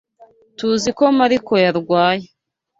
TUZI ko Marco yarwaye.